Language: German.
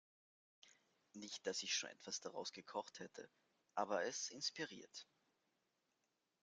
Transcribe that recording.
Nicht, dass ich schon etwas daraus gekocht hätte, aber es inspiriert.